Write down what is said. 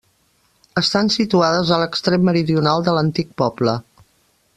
Estan situades a l'extrem meridional de l'antic poble.